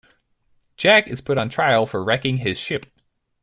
Jack is put on trial for wrecking his ship.